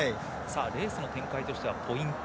レースの展開としてはポイント